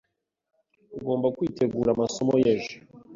Ugomba kwitegura amasomo y'ejo.